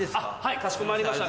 かしこまりました。